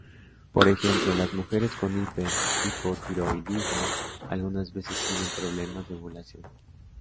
Por ejemplo, las mujeres con hiper- hipotiroidismo algunas veces tienen problemas de ovulación.